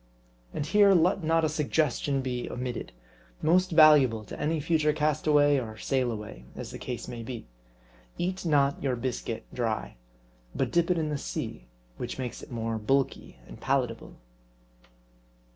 And here let not a suggestion be omitted, most valuable to any future castaway or sailaway as the case may be. Eat not your biscuit dry ; but dip it in the sea : which makes it more bulky and palatable.